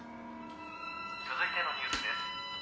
続いてのニュースです。